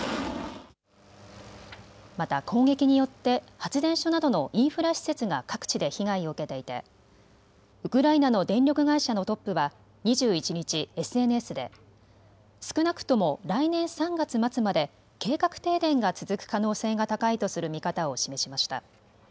また攻撃によって発電所などのインフラ施設が各地で被害を受けていてウクライナの電力会社のトップは２１日、ＳＮＳで少なくとも来年３月末まで計画停電が続く可能性が高いとする見方を示しました。